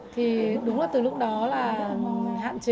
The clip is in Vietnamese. thì đúng là từ lúc đó là hạn chế